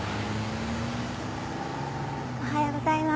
おはようございます。